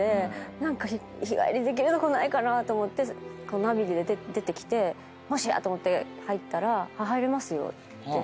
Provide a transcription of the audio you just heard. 何か日帰りできるとこないかなと思ってナビで出てきてもしやと思って入ったら「入れますよ」って。